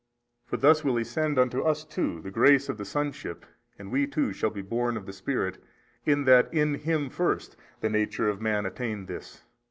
for thus will He send unto us too the grace of the sonship and we too shall be born of the Spirit, in that in Him first the nature of man attained this.